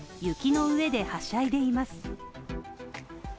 雪の上ではしゃいでいます。